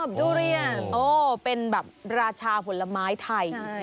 กันได้นะคะดุเรียนโอ้เป็นแบบราชาผลไม้ไทยใช่